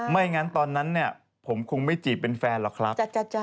ไม่งั้นตอนนั้นเนี่ยผมคงไม่จีบเป็นแฟนหรอกครับ